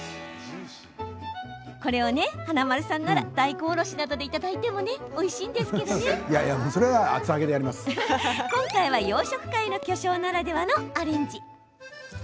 これを大根おろしなどでいただいてもおいしいんですが今回は、洋食界の巨匠ならではのアレンジ。